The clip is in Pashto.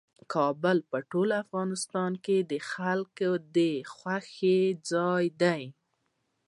کابل په ټول افغانستان کې د خلکو د خوښې ځای دی.